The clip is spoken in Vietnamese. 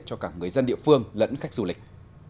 cho cả người dân địa phương lẫn khách du lịch